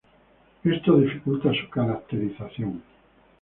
Esto dificulta su caracterización.